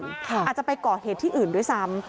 อาจจะไปก่อเหตุที่อื่นด้วยซ้ำ